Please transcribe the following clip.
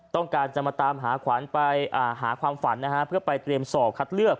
ต้องการจะมาตามหาขวัญไปหาความฝันนะฮะเพื่อไปเตรียมสอบคัดเลือก